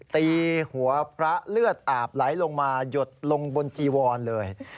ตีหัวพระเลือดอาบไหลลงมาหยดลงบนจีวรเลย